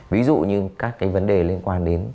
ví dụ như các cái vấn đề liên quan đến